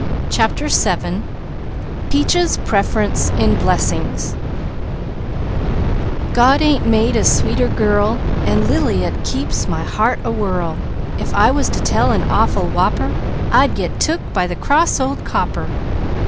CHAPTER VII Peaches' Preference in Blessings "_God ain't made a sweeter girl 'An Lily, at keeps my heart a whirl. If I was to tell an awful whopper, I'd get took by the cross old copper.